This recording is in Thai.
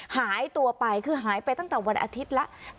หายตัวไปคือหายไปตั้งแต่วันอาทิตย์แล้ว